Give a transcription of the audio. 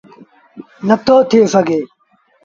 نٿو ٿئي سگھي۔